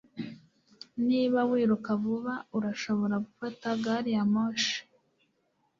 Niba wiruka vuba urashobora gufata gari ya moshi